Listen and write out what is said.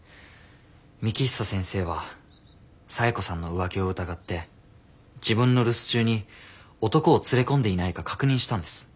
幹久先生は冴子さんの浮気を疑って自分の留守中に男を連れ込んでいないか確認したんです。